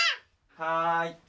はい。